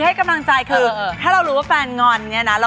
อิ่มมากเลยเนี่ย